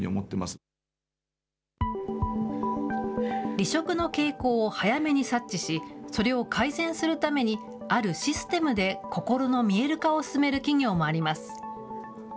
離職の傾向を早めに察知し、それを改善するためにあるシステムで心の見える化を進める企業もあります。